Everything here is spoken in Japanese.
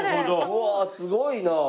うわすごいな。